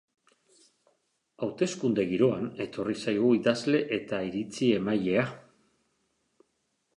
Hauteskunde giroan etorri zaigu idazle eta iritzi-emailea.